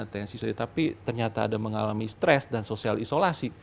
tapi ternyata ada mengalami stres dan sosial isolasi